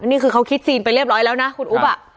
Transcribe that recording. นี่คือเขาคิดซีนไปเรียบร้อยแล้วนะคุณอุ๊บอ่ะ